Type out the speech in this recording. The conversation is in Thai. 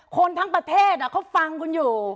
คนทั้งประเทศเขาฟังคุณอยู่